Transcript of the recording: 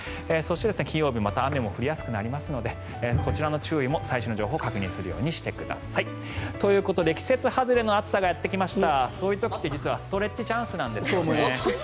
金曜日雨も降りやすくなりますのでこちらも注意、最新の情報を確認するようにしてください。ということで季節外れの暑さがやってきました。